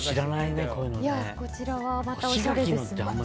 こちらはまたおしゃれですね。